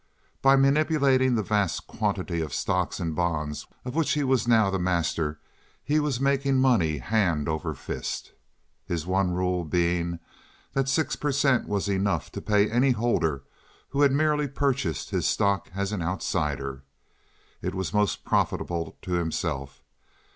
By manipulating the vast quantity of stocks and bonds of which he was now the master he was making money hand over fist, his one rule being that six per cent. was enough to pay any holder who had merely purchased his stock as an outsider. It was most profitable to himself.